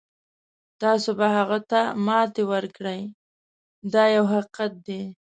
تاسو به هغه ته ماتې ورکړئ دا یو حقیقت دی.